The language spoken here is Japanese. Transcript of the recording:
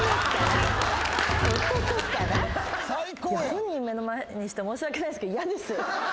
本人目の前にして申し訳ないですけど。